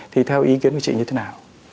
thì theo ý kiến của chị như thế nào